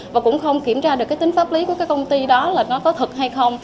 và cũng không kiểm tra được tính pháp lý của công ty đó là nó có thật hay không